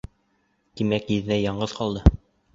Тимәк, еҙнәй яңғыҙ ҡалды.